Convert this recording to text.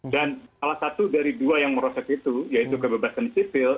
dan salah satu dari dua yang merosot itu yaitu kebebasan sifil